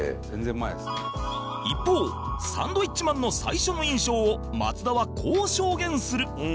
一方サンドウィッチマンの最初の印象を松田はこう証言する